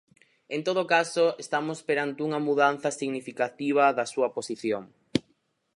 En todo caso, estamos perante unha mudanza significativa da súa posición.